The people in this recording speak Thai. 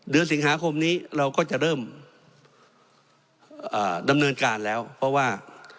เดือนสิงหาคมนี้เราก็จะเริ่มดำเนินการแล้วเพราะว่า